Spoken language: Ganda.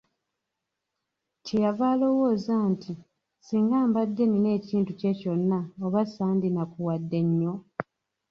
Kye yava alowooza nti, Singa mbadde nnina ekintu kye kyonna oba sandinakuwadde nnyo?